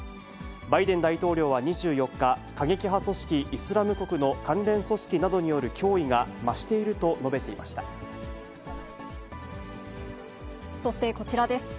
バイデン大統領は２４日、過激派組織イスラム国の関連組織などによる脅威が増していると述そしてこちらです。